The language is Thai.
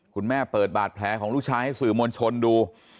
คุณแม่เปิดบาดแผลของลูกชายให้สื่อมวลชนดู